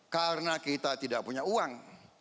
karena kita tidak punya uang